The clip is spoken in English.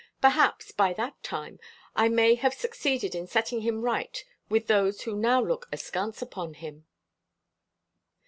Perhaps, by that time, I may have succeeded in setting him right with those who now look askance upon him!"